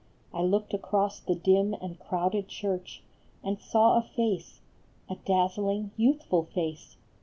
95 I looked across the dim and crowded church And saw a face a dazzling, youthful face